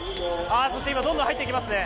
そして今どんどん入っていきますね。